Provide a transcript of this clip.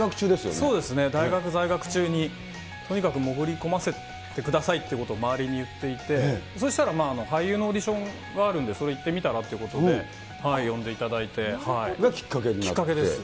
そうですね、大学在学中に、とにかく潜り込ませてくださいということを周りに言っていて、そしたら俳優のオーディションがあるのでそれ行ってみたらというがきっかけになって？きっかけです。